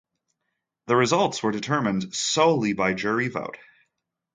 The results were determined solely by jury vote.